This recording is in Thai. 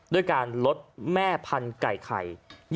ด้วยการลดแม่พันธุ์ไก่ไข่